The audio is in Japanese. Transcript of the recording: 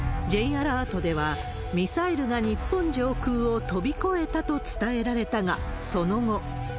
Ｊアラートでは、ミサイルが日本上空を飛び越えたと伝えられたが、その後。